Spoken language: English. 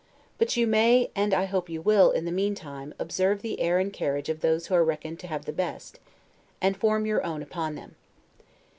But you may, and I hope you will, in the meantime, observe the air and carriage of those who are reckoned to have the best, and form your own upon them.